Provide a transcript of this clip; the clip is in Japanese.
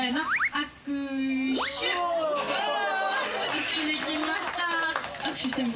握手できました。